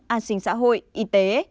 an sinh xã hội y tế